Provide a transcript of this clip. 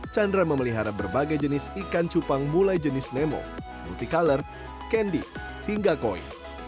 chandra memelihara berbagai jenis ikan cupang mulai jenis nemo multicolor candy hingga koi